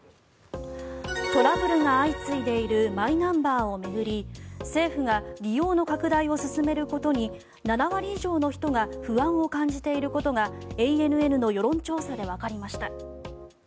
トラブルが相次いでいるマイナンバーを巡り政府が利用の拡大を進めることに７割以上の人が不安を感じていることがＡＮＮの世論調査でわかりました。